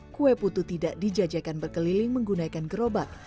kue putu tidak dijajakan berkeliling menggunakan gerobak